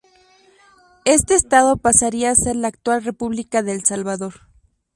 Este Estado pasaría a ser la actual República de El Salvador.